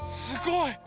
すごい。